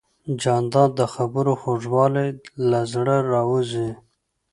جانداد د خبرو خوږوالی له زړه راوزي.